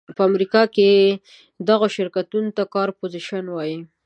په امریکا کې دغو شرکتونو ته کارپورېشن وایي.